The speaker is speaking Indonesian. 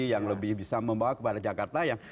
yang lebih bisa membawa kepada jakarta yang